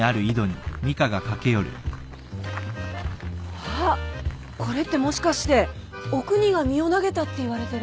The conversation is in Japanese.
あっこれってもしかしておくにが身を投げたっていわれてる。